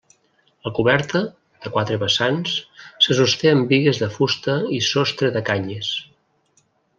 La coberta, de quatre vessants, se sosté amb bigues de fusta i sostre de canyes.